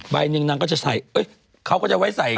ใบหนึ่งหนึ่งเขาก็จะใส่